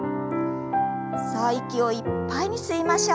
さあ息をいっぱいに吸いましょう。